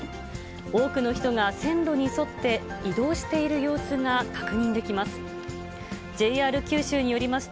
多くの人が線路に沿って移動している様子が確認できます。